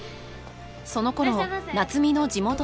［そのころ夏海の地元では］